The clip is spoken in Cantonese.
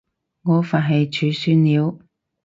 我佛系儲算了